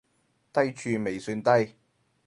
低處未算低